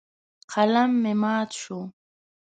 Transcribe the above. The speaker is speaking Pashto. قلم مې مات شو.